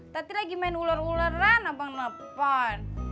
tadi lagi main ular uleran abang nepan